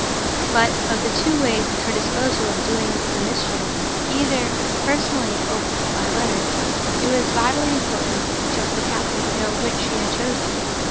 But of the two ways at her disposal of doing the mischief—either personally or by letter—it was vitally important to the captain to know which she had chosen.